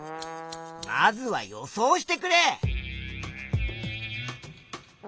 まずは予想してくれ。